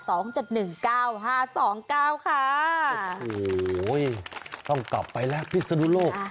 โอ้โหต้องกลับไปแล้วพิศนุโลก